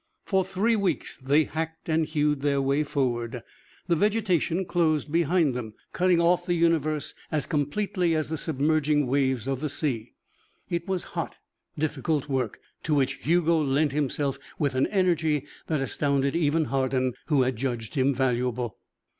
For three weeks they hacked and hewed their way forward; the vegetation closed behind them, cutting off the universe as completely as the submerging waves of the sea. It was hot, difficult work, to which Hugo lent himself with an energy that astounded even Hardin, who had judged him valuable.